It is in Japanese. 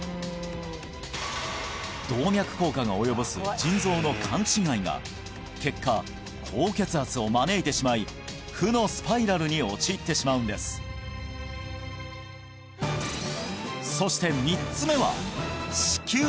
動脈硬化が及ぼす腎臓の勘違いが結果高血圧を招いてしまい負のスパイラルに陥ってしまうんですそして